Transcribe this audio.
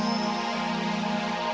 tuh lo udah jualan gue